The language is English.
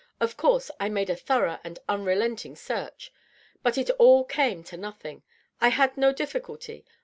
Of course I made a thorough and unrelenting search. But it all came to nothing. I had no difl&culty.